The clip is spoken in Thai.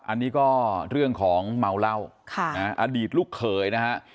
อันนี้ก็เรื่องของเมาเหล้าอดีตลูกเขยนะฮะ